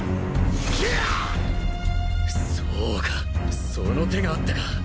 そうかその手があったか。